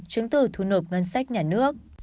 chứng từ thu nộp ngân sách nhà nước